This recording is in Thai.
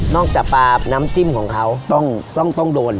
นอกจากปลาน้ำจิ้มของเขาต้องต้องต้องโดน